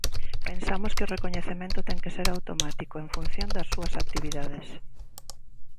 Pensamos que o recoñecemento ten que ser automático, en función das súas actividades.